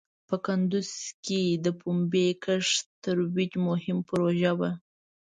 په کندوز کې د پومبې کښت ترویج مهم پروژه وه.